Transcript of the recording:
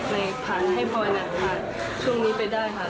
ในผ่านให้พลอยช่วงนี้ไปได้ค่ะ